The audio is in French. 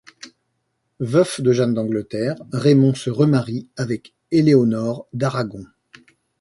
Veuf de Jeanne d’Angleterre, Raymond se remarie avec Éléonore d’Aragon.